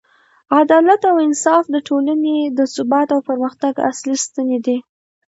عدالت او انصاف د ټولنې د ثبات او پرمختګ اصلي ستنې دي.